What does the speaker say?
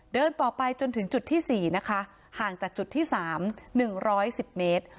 เดินต่อไปจนถึงจุดที่๔นะคะห่างจากจุดที่๓๑๑๐เมตร